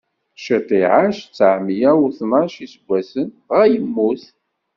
Cit iɛac tteɛmeyya u tnac n iseggasen, dɣa yemmut.